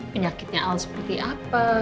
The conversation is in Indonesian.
penyakitnya al seperti apa